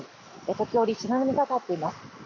時折、白波が立っています。